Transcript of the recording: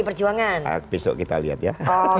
perjuangan besok kita lihat ya